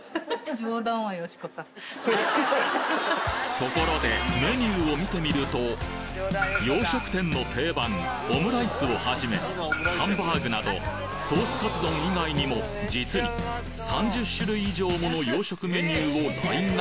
ところでメニューを見てみると洋食店の定番オムライスをはじめハンバーグなどソースカツ丼以外にも実にそうですね。